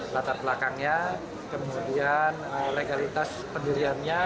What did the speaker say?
latar belakangnya kemudian legalitas pendiriannya